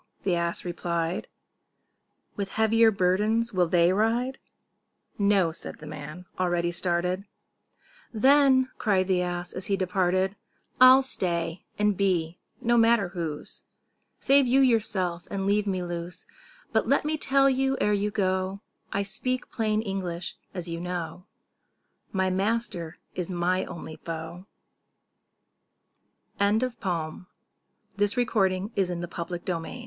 the ass replied; "With heavier burdens will they ride?" "No," said the man, already started. "Then," cried the ass, as he departed "I'll stay, and be no matter whose; Save you yourself, and leave me loose But let me tell you, ere you go, (I speak plain English, as you know,) My master is my only foe." [Illustration: THE OLD MAN AND THE ASS.] The Ass and his Masters.